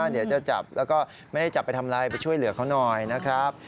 เดี๋ยวจะจับแล้วก็ไม่ได้จับไปทำอะไรไปช่วยเหลือเขาหน่อยนะครับ